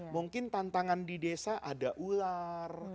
mungkin tantangan di desa ada ular